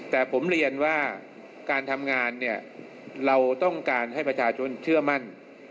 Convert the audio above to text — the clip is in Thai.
แต่ผมเรียนว่าการทำงานเนี่ยเราต้องการให้ประชาชนเชื่อมั่น